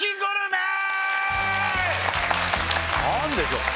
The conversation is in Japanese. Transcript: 何でしょう